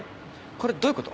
これどういうこと？